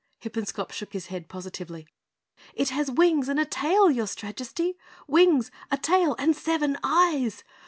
Hippenscop shook his head positively. "It has wings and a tail, your Strajesty. Wings, a tail and seven eyes!